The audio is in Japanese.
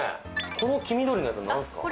この黄緑のやつは何ですか？